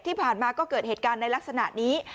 ที่ผ่านมาก็เกิดเหตุการณ์ในลักษณะนี้